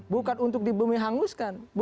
bukan untuk di bumi hanguskan